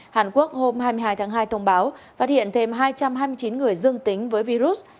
hàn quốc hôm hai mươi hai tháng hai thông báo phát hiện thêm hai trăm hai mươi chín người dương tính với virus